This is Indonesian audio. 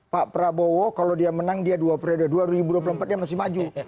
pak prabowo kalau dia menang dia dua ribu dua puluh dua dua ribu dua puluh empat dia masih maju